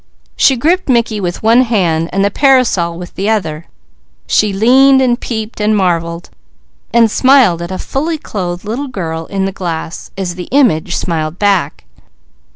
She gripped Mickey with one hand and the parasol with the other; she leaned and peeped, and marvelled, and smiled at a fully clothed little girl in the glass, while the image smiled back.